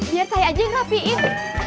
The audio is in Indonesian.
biar saya aja yang rapiin